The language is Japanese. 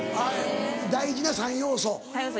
大事な３要素。